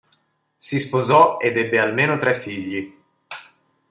Si sposò ed ebbe almeno tre figli.